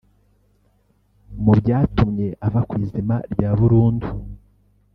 Mu byatumye ava ku izima bya burundu